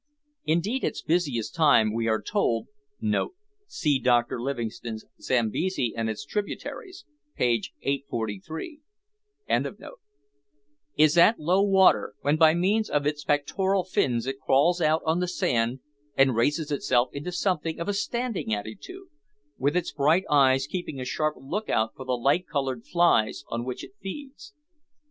Indeed its busiest time, we are told, [See Dr Livingstone's Zambesi and its Tributaries, page 843.] is at low water, when, by means of its pectoral fins it crawls out on the sand and raises itself into something of a standing attitude, with its bright eyes keeping a sharp look out for the light coloured flies on which it feeds.